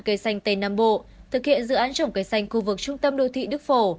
cây xanh tây nam bộ thực hiện dự án trồng cây xanh khu vực trung tâm đô thị đức phổ